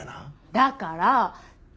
だから。